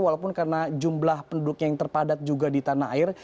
walaupun karena jumlah penduduknya yang terpadat juga di tanah air